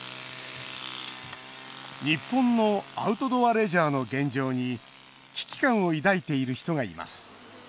日本のアウトドアレジャーの現状に危機感を抱いている人がいます。